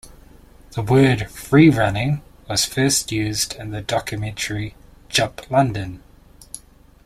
The word "freerunning" was first used in the documentary, "Jump London".